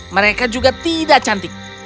mereka juga tidak cantik